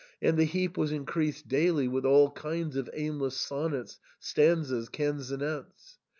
207 and the heap was increased daily with all kinds of aim less sonnets, stanzas, canzonets.